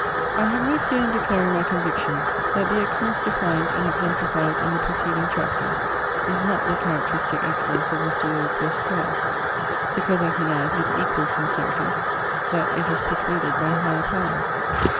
I have no fear in declaring my conviction, that the excellence defined and exemplified in the preceding chapter is not the characteristic excellence of Mr. Wordsworth's style; because I can add with equal sincerity, that it is precluded by higher powers.